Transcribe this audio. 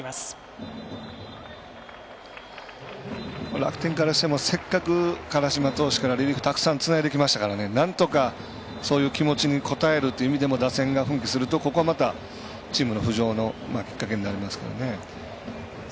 楽天からしてもせっかく辛島投手からたくさんリリーフつないできましたからなんとか、そういう気持ちに応えるっていう意味でも打線が奮起するとここはチームの浮上のきっかけになりますからね。